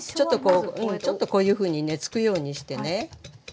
ちょっとこういうふうにね突くようにしてね。